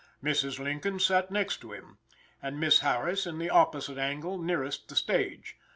Mrs. Lincoln sat next to him, and Miss Harris in the opposite angle nearest the stage.